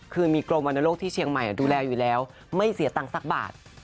คือมีกรมวรรณโลกที่เชียงใหม่ดูแลอยู่แล้วไม่เสียตังค์สักบาท